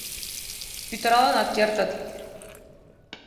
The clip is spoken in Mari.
— Пӱтыралынат кертыт».